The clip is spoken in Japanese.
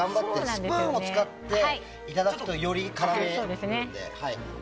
スプーンも使っていただくとより絡みやすいので。